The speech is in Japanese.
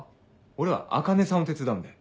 俺は茜さんを手伝うんだよ。